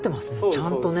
ちゃんとね